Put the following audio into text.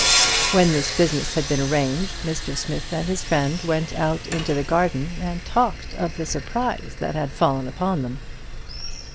When this business had been arranged, Mr. Smith and his friend went out into the garden and talked of the surprise that had fallen upon them.